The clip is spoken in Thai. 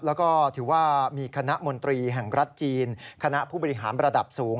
แล้วก็ถือว่ามีคณะมนตรีแห่งรัฐจีนคณะผู้บริหารระดับสูง